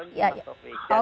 jangan dikunci pak sofi